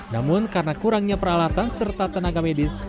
namun karena kurangnya peralatan serta tenaga medis